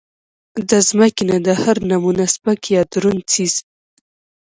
د زمکې نه د هر نمونه سپک يا درون څيز